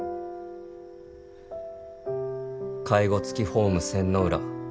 「介護付きホーム仙ノ浦」